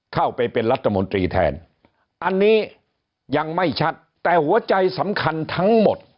เข้าไปเป็นรัฐมนตรีแทนอันนี้ยังไม่ชัดแต่หัวใจสำคัญทั้งหมด